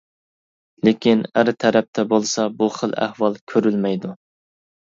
لېكىن ئەر تەرەپتە بولسا بۇ خىل ئەھۋال كۆرۈلمەيدۇ.